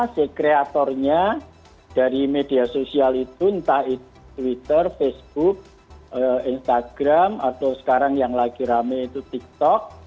si kreatornya dari media sosial itu entah itu twitter facebook instagram atau sekarang yang lagi rame itu tiktok